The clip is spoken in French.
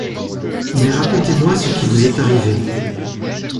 Mais racontez-moi ce qui vous est arrivé...